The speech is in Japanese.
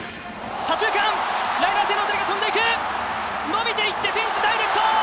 伸びていってフェンスダイレクト！